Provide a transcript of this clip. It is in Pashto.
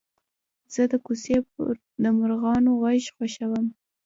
زه د کوڅې د مرغانو غږ خوښوم.